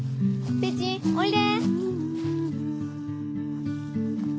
ペチおいで。